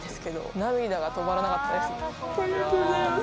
ありがとうございます。